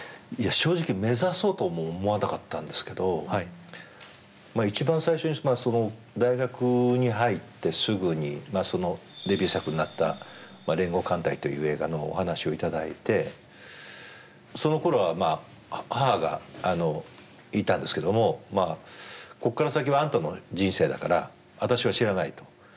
正直目指そうとも思わなかったんですけどまあ一番最初にまあその大学に入ってすぐにデビュー作になった「連合艦隊」という映画のお話を頂いてそのころはまあ母がいたんですけどもこっから先はあんたの人生だから私は知らないと。